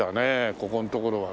ここのところはね。